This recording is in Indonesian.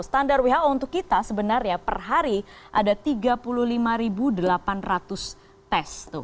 standar who untuk kita sebenarnya per hari ada tiga puluh lima delapan ratus tes